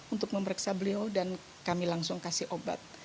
untuk memeriksa beliau dan kami langsung kasih obat